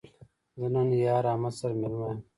زه نن یار احمد سره مېلمه یم